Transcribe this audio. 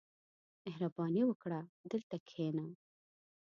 • مهرباني وکړه، دلته کښېنه.